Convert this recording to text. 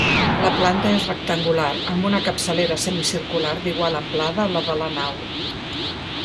La planta és rectangular, amb una capçalera semicircular d'igual amplada a la de la nau.